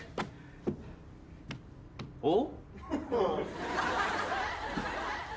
おっ？